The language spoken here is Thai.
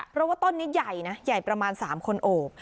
เพราะว่าต้นนี้ใหญ่นะใหญ่ประมาณ๓คนโอบ